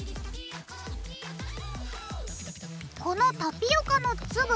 このタピオカの粒。